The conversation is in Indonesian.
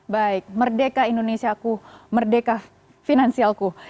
baik merdeka indonesia ku merdeka finansialku